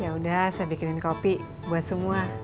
ya udah saya bikinin kopi buat semua